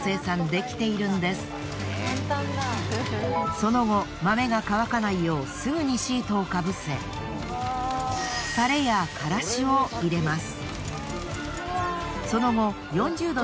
その後豆が乾かないようすぐにシートを被せタレやからしを入れます。